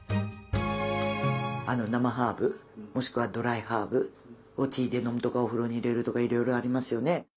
生ハーブもしくはドライハーブをティーで飲むとかお風呂に入れるとかいろいろありますよね。